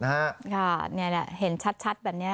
ค่ะนี่แหละเห็นชัดแบบนี้